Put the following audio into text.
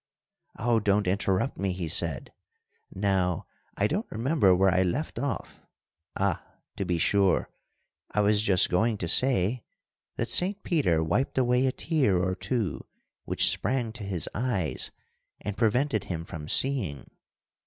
"Oh, don't interrupt me!" he said. "Now I don't remember where I left off—ah! to be sure, I was just going to say that Saint Peter wiped away a tear or two which sprang to his eyes and prevented him from seeing.